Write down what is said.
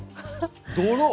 泥！